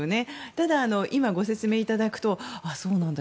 ただ、今、ご説明いただくとあ、そうなんだ